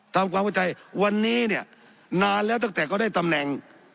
ทำความเข้าใจวันนี้เนี่ยนานแล้วตั้งแต่เขาได้ตำแหน่ง